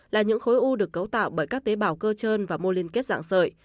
là những khối u được cấu tạo bởi các tế bào cơ trơn và mô liên kết dạng sợi